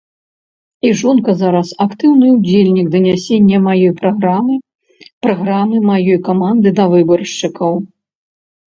І жонка зараз актыўны ўдзельнік данясення маёй праграмы, праграмы маёй каманды да выбаршчыкаў.